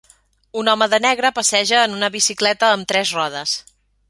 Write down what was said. Un home de negre passeja en una bicicleta amb tres rodes.